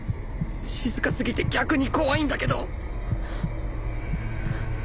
静かすぎて逆に怖いんだけど